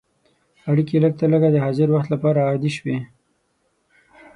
اړیکې لږترلږه د حاضر وخت لپاره عادي شوې.